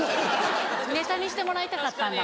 ネタにしてもらいたかったんだ